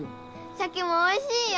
シャケもおいしいよ！